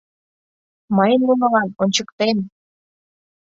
Мый нунылан ончыктем!..